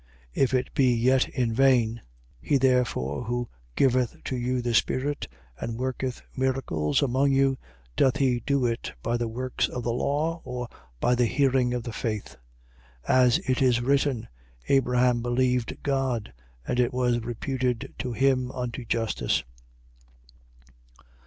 If it be yet in vain. 3:5. He therefore who giveth to you the Spirit and worketh miracles among you: doth he do it by the works of the law or by the hearing of the faith? 3:6. As it is written: Abraham believed God: and it was reputed to him unto justice.